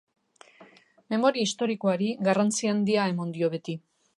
Memoria historikoari garrantzi handia eman dio beti.